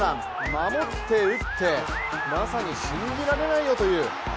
守って、打ってまさに信じられないよという。